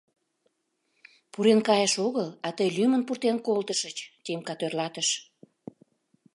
— Пурен кайыш огыл, а тый лӱмын пуртен колтышыч, — Тимка тӧрлатыш.